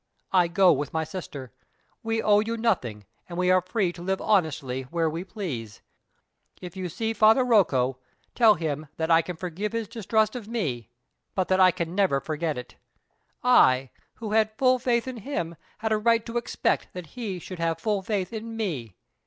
I go with my sister. We owe you nothing, and we are free to live honestly where we please. If you see Father Rocco, tell him that I can forgive his distrust of me, but that I can never forget it. I, who had full faith in him, had a right to expect that he should have full faith in me.